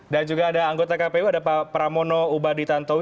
dan juga ada anggota kpu ada pak pramono ubaditantowi